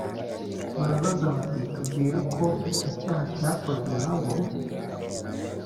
barabaza bati tubwire uko icyo cyaha cyakozwe nabo